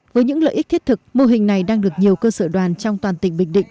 với những lợi ích thiết thực mô hình này đang được nhiều cơ sở đoàn trong toàn tỉnh bình định